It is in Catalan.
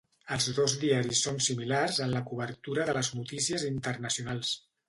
Els dos diaris són similars en la cobertura de les notícies internacionals.